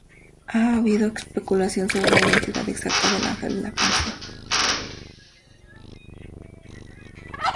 Ha habido especulación sobre la identidad exacta del ángel en la canción.